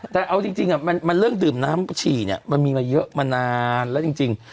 แต่เอาจริงมันเรื่องดื่มน้ำฉี่เนี่ยมันมีมาเยอะมานานแล้วจริง